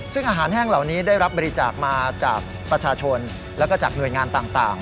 ซึ่งอาหารแห้งเหล่านี้ได้รับบริจาคมาจากประชาชนแล้วก็จากหน่วยงานต่าง